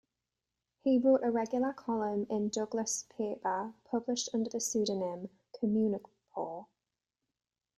He wrote a regular column in Douglass' paper, published under the pseudonym, 'Communipaw.